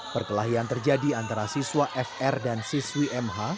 perkelahian terjadi antara siswa fr dan siswi mh